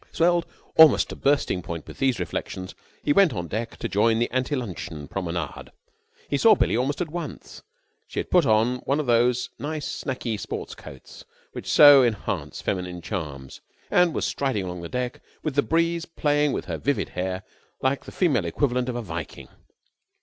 Swelled almost to bursting point with these reflections, he went on deck to join the ante luncheon promenade. He saw Billie almost at once. She had put on one of these nice sacky sport coats which so enhance feminine charms, and was striding along the deck with the breeze playing in her vivid hair like the female equivalent of a Viking.